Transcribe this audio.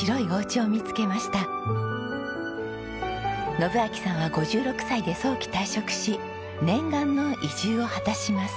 信秋さんは５６歳で早期退職し念願の移住を果たします。